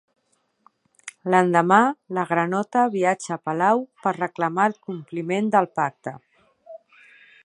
L'endemà la granota viatja a palau per reclamar el compliment del pacte.